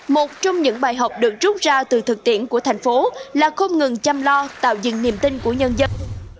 một trong những bài học được rút ra từ thực tiễn của thành phố là không ngừng chăm lo tạo dừng niềm tin của nhân dân